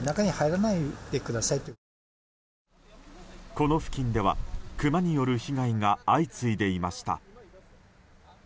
この付近ではクマによる被害が相次いでいました。